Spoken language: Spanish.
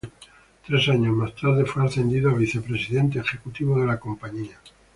Tres año más tarde fue ascendido a vicepresidente ejecutivo de la compañía.